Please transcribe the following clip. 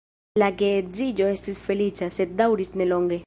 La geedziĝo estis feliĉa, sed daŭris nelonge.